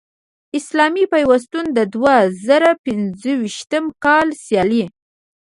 اسلامي پیوستون د دوه زره پنځویشتم کال سیالۍ